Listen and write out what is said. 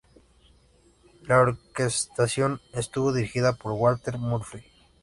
La orquestación estuvo dirigida por Walter Murphy.